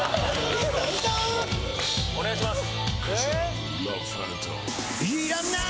お願いします。